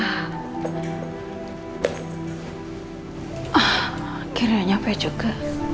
akhirnya nyampe juga